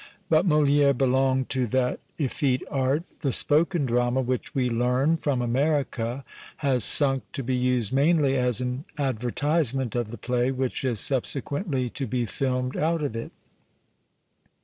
But Molicre belonged to that effete art tlie " spoken drama, ' which we learn, from America, has sunk to be used mainly as an advertisement of the play which is subsequently to be filmed out of it.